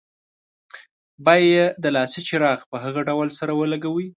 بیا یې د لاسي چراغ په هغه ډول سره ولګوئ.